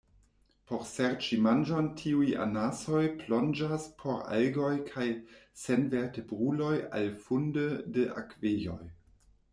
Por serĉi manĝon tiuj anasoj plonĝas por algoj kaj senvertebruloj al fundo de akvejoj.